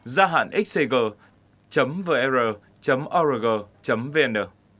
ra hạn xcg vr org vn